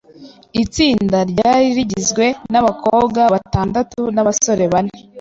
Itsinda ryari rigizwe nabakobwa batandatu nabasore bane.